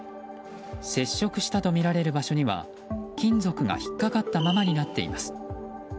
接触したとみられる場所には金属が引っかかったままになっています。